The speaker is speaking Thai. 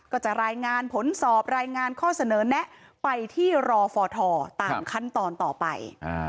ก็จะรายงานผลสอบรายงานข้อเสนอแนะไปที่รอฟทตามขั้นตอนต่อไป